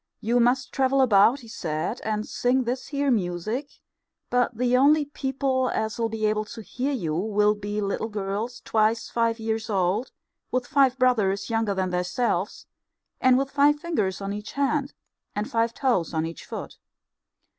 You must travel about, he said, and sing this here music, but the only people as'll be able to hear you will be little girls twice five years old, with five brothers younger than theirselves, and with five fingers on each hand, and five toes on each foot.